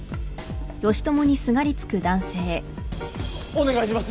お願いします